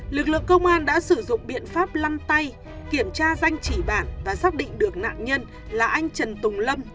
lực lượng công an đã sử dụng biện pháp lăn tay kiểm tra danh chỉ bản và xác định được nạn nhân là anh trần tùng lâm